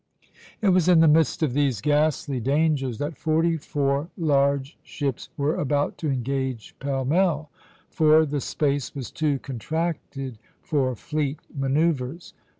It was in the midst of these ghastly dangers that forty four large ships were about to engage pell mell; for the space was too contracted for fleet manoeuvres.